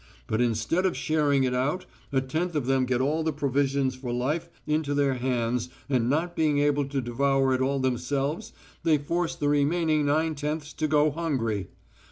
But instead of sharing it out, a tenth of them get all the provisions for life into their hands, and not being able to devour it all themselves, they force the remaining nine tenths to go hungry.